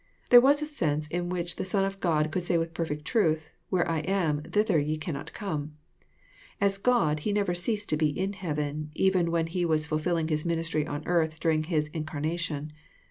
There was a sense in which the Son of God could say with perfect truth—" Where I am, thither ye cannot come." As GoU^he never ceased to be in heaven, even wh€nHe was fulfilling His ministry on earth during his incarnation.